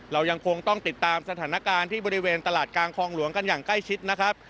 เรายังคงต้องติดตามสถานการณ์ที่บริเวณตลาดกลางคลองหลวงกันอย่างใกล้ชิดนะครับ